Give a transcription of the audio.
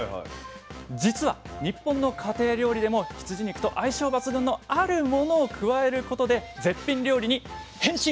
実は日本の家庭料理でも羊肉と相性抜群のあるものを加えることで絶品料理に変身！